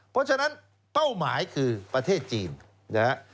เพราะฉะนั้นเป้าหมายคือประเทศจีนนะฮะ